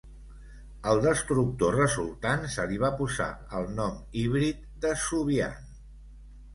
Al destructor resultant se li va posar el nom híbrid de "Zubian".